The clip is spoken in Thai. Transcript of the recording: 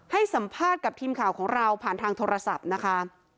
ให้สัมภาษณ์กับทีมข่าวของเราผ่านทางโทรศัพท์นะคะ